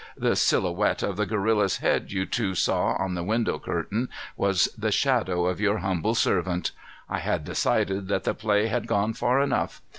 The silhouette of the gorilla's head you two saw on the window curtain was the shadow of your humble servant. I had decided that the play had gone far enough.